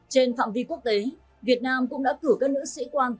trên phạm vi quốc tế việt nam cũng đã cử các nữ sĩ quan